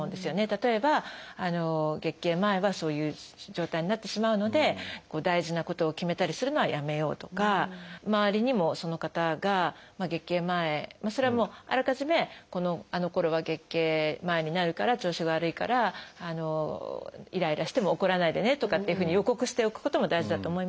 例えば月経前はそういう状態になってしまうので大事なことを決めたりするのはやめようとか周りにもその方が月経前それはもうあらかじめあのころは月経前になるから調子が悪いからイライラしても怒らないでねとかっていうふうに予告しておくことも大事だと思いますし。